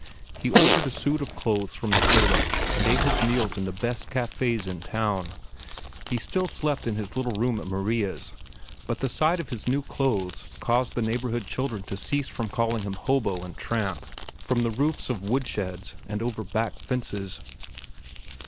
He ordered a suit of clothes from the tailor and ate his meals in the best cafés in town. He still slept in his little room at Maria's, but the sight of his new clothes caused the neighborhood children to cease from calling him "hobo" and "tramp" from the roofs of woodsheds and over back fences.